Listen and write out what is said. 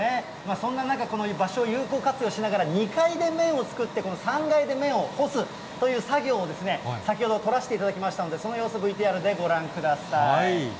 そんな中、この場所を有効活用しながら２階で麺を作って、この３階で麺を干すという作業をですね、先ほど撮らせていただきましたので、その様子、ＶＴＲでご覧ください。